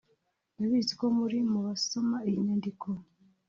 ndabizi ko muri mu basoma iyi nyandiko